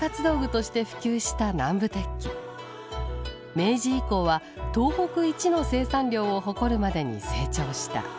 明治以降は東北一の生産量を誇るまでに成長した。